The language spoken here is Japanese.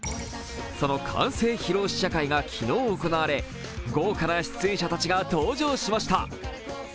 その完成披露試写会が昨日行われ豪華な出演者たちが登場しました。